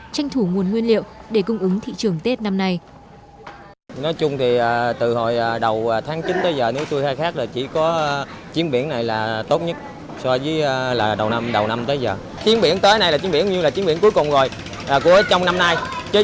tranh thủ nguồn nguyên liệu để cung ứng thị trường tết năm nay